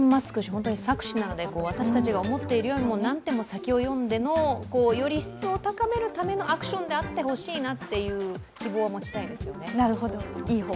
本当に策士なので私たちが思っているよりも何手も先に読んでの、より質を高めるためのアクションであってほしいなという希望は持ちたいですよね。